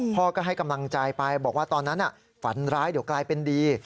พ่อก็ให้กำลังใจไปบอกว่าตอนนั้นฝันร้ายเดี๋ยวกลายเป็นดี